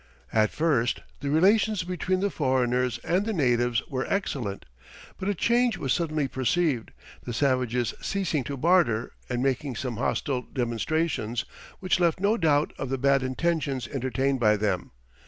At first the relations between the foreigners and the natives were excellent, but a change was suddenly perceived, the savages ceasing to barter, and making some hostile demonstrations, which left no doubt of the bad intentions entertained by them.